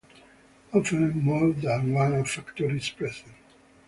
Often more than one factor is present.